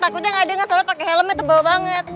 takutnya nggak dengar soalnya pakai helmnya tebal banget